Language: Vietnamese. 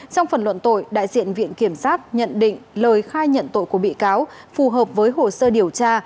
trong phần luận tội đại diện viện kiểm sát nhận định lời khai nhận tội của bị cáo phù hợp với hồ sơ điều tra